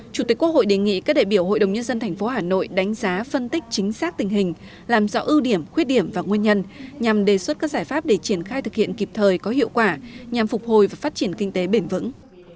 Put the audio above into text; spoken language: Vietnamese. chủ tịch quốc hội đề nghị các đại biểu hội đồng nhân dân tp hà nội đánh giá phân tích chính xác tình hình làm rõ ưu điểm khuyết điểm và nguyên nhân nhằm đề xuất các giải pháp để triển khai thực hiện kịp thời có hiệu quả nhằm phục hồi và phát triển kinh tế bền vững